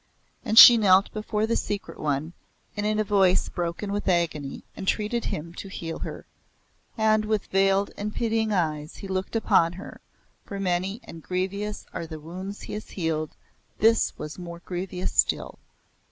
And she knelt before the Secret One and in a voice broken with agony entreated him to heal her. And with veiled and pitying eyes he looked upon her, for many and grievous as are the wounds he has healed this was more grievous still.